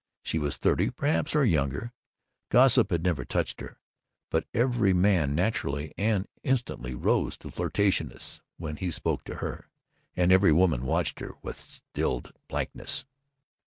She was thirty, perhaps, or younger. Gossip had never touched her, but every man naturally and instantly rose to flirtatiousness when he spoke to her, and every woman watched her with stilled blankness.